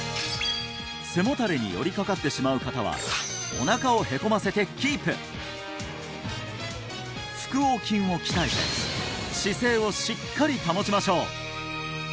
背もたれに寄りかかってしまう方はおなかをへこませてキープ腹横筋を鍛えて姿勢をしっかり保ちましょう